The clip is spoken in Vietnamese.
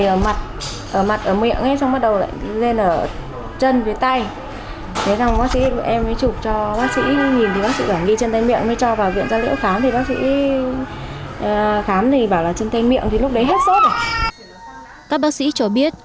các bác sĩ cho biết bệnh viện này có nhiều loại virus